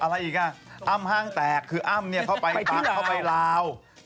แล้วก็ยิ้มตลอดเวลา